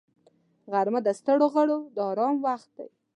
غرمه د ستړو غړو د آرام وخت دی